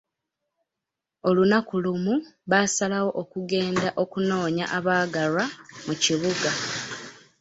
Olunaku lumu baasalawo okugenda okunoonya abaagalwa mu kibuga.